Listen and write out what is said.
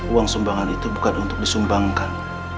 uang sumbangan itu bukan untuk disumbangkan